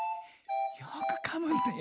よくかむんだよ」。